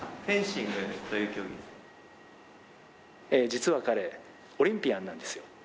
実は彼オリンピアンなんですよ。